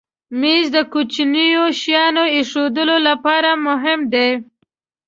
مېز د کوچنیو شیانو ایښودلو لپاره مهم دی.